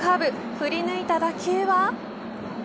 振り抜いた打球は。